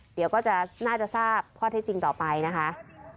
เดี๋ยวก็จะน่าจะทราบข้อเท็จจริงต่อไปนะคะ